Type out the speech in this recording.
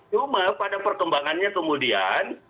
cuma pada perkembangannya kemudian